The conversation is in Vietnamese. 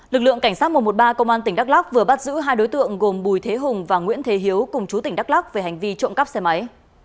lực lượng cảnh sát một trăm một mươi ba công an tỉnh đắk lóc vừa bắt giữ hai đối tượng gồm bùi thế hùng và nguyễn thế hiếu cùng chú tỉnh đắk lắc về hành vi trộm cắp xe máy